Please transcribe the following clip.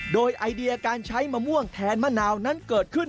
โดยไอเดียการใช้มะม่วงแทนมะนาวนั้นเกิดขึ้น